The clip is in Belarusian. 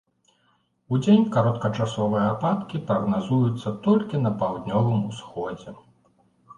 Удзень кароткачасовыя ападкі прагназуюцца толькі на паўднёвым усходзе.